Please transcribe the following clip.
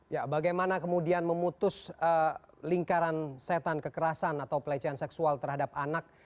ya bagaimana kemudian memutus lingkaran setan kekerasan atau pelecehan seksual terhadap anak